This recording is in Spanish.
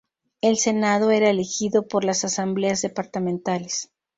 El senado era elegido por las asambleas departamentales.